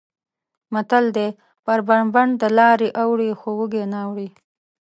متل دی: بر بنډ دلارې اوړي خو وږی نه اوړي.